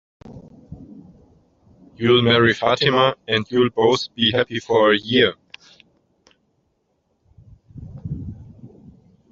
You'll marry Fatima, and you'll both be happy for a year.